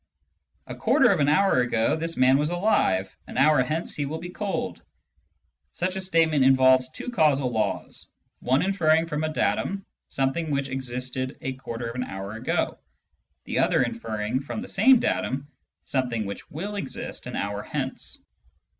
" A quarter of an hour ago this man was alive ; an hour hence he will be cold." Such a statement involves two causal laws, one inferring from a datum something which existed a quarter of a hour ago, the Digitized by Google 2i6 SCIENTIFIC METHOD IN PHILOSOPHY other inferring from the same datum something which will exist an hour hence.